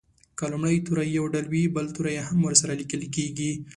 که لومړی توری یو ډول وي بل توری هم ورسره لیکل کیږي.